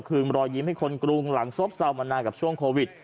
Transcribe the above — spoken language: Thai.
รอยยิ้มให้คนกรุงหลังซบเศร้ามานานกับช่วงโควิด